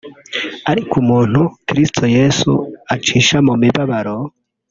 Ariko umuntu Kristo Yesu acisha mu mibabaro